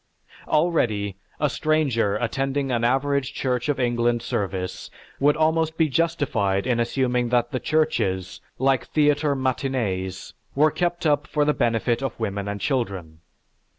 Already, a stranger attending an average church of England service would almost be justified in assuming that the churches, like theatre matinées, were kept up for the benefit of women and children.